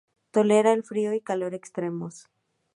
Tolera el frío y calor extremos.